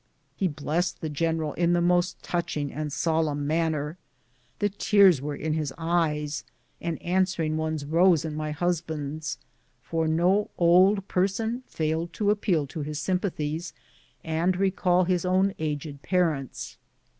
He blessed the general in the most touching and solemn manner. The tears were in his eyes, and answering ones rose in my husband's, for no old person failed to appeal to his sympathies and recall his own aged parents.